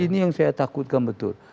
ini yang saya takutkan betul